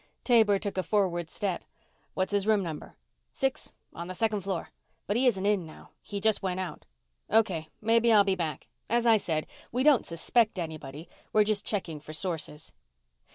Taber took a forward step. "What's his room number?" "Six on the second floor. But he isn't in now. He just went out." "Okay. Maybe I'll be back. As I said, we don't suspect anybody. We're just checking for sources."